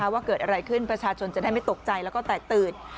ว่าเกิดอะไรขึ้นประชาชนจะได้ไม่ตกใจแล้วก็แตกตื่น